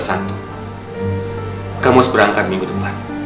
kamu harus berangkat minggu depan